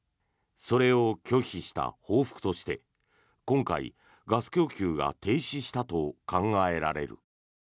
それを拒否した報復として今回、ガス供給が停止したと考えられる。